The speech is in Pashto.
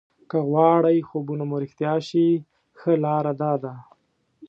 که غواړئ خوبونه مو رښتیا شي ښه لاره داده.